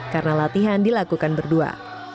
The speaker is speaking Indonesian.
karena latihan dilakukan berdua